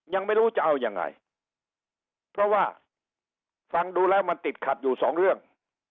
ยังไม่รู้จะเอายังไงเพราะว่าฟังดูแล้วมันติดขัดอยู่สองเรื่อง